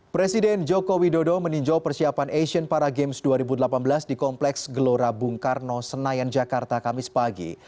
presiden joko widodo meninjau persiapan asian para games dua ribu delapan belas di kompleks gelora bung karno senayan jakarta kamis pagi